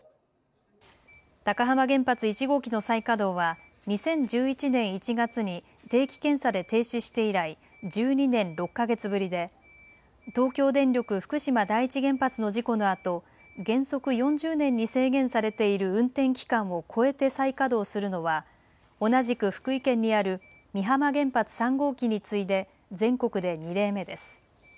高浜原発１号機の再稼働は２０１１年１月に定期検査で停止して以来１２年６か月ぶりで東京電力福島第一原発の事故のあと原則４０年に制限されている運転期間を超えて再稼働するのは同じく福井県にある美浜原発３号機に次いで全国で２例目です。